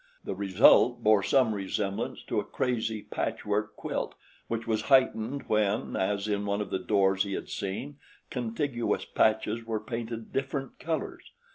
The result bore some resemblance to a crazy patchwork quilt, which was heightened when, as in one of the doors he had seen, contiguous patches were painted different colors.